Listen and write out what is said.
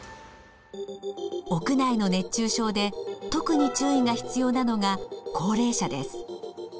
屋内の熱中症で特に注意が必要なのが高齢者です。